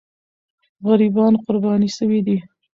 غریبان قرباني سوي دي.